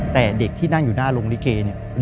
แต่เด็กที่นั่งอยู่หน้าโรงลิเกเนี่ย